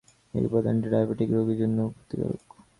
এই উপাদানটি ডায়াবেটিক রোগীর জন্য ক্ষতিকর।